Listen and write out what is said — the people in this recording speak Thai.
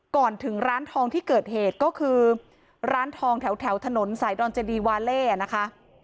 ก่อนถึงร้านทองที่เกิดเหตุก็คือร้านทองแถวถนนสายดอนเจดีวาเล่นะคะ